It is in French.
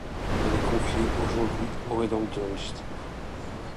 Elle est confiée aujourd'hui aux Rédemptoristes.